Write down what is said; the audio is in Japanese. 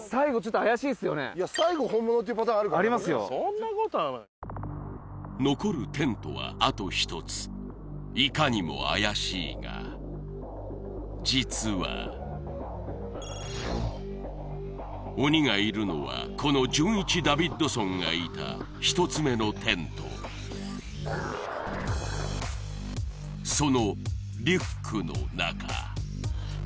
最後本物っていうパターンあるからねそんなことはない残るテントはあと一ついかにも怪しいが実は鬼がいるのはこのじゅんいちダビッドソンがいた１つ目のテントそのリュックの中！